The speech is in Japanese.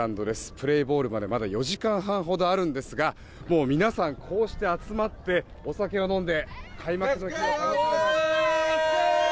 プレイボールまでまだ４時間半ほどあるんですがもう、皆さんこうして集まって、お酒を飲んで開幕の日を楽しんでいます。